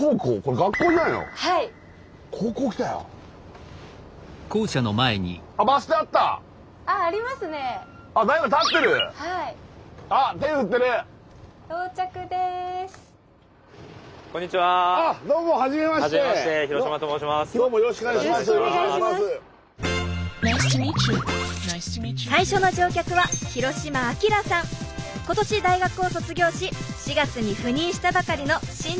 今年大学を卒業し４月に赴任したばかりの新人先生です。